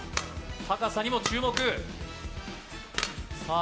高さにも注目さあ